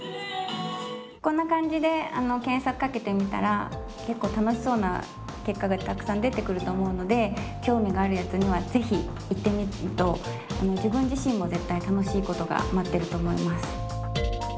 こんな感じで検索かけてみたら結構楽しそうな結果がたくさん出てくると思うので興味があるやつにはぜひ行ってみると自分自身も絶対楽しいことが待ってると思います。